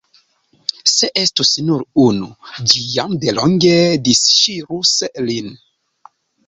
Se estus nur unu, ĝi jam delonge disŝirus lin.